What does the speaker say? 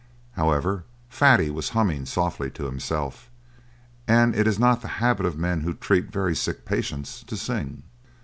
However, Fatty was humming softly to himself, and it is not the habit of men who treat very sick patients to sing.